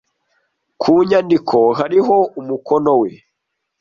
Ku nyandiko, hariho umukono we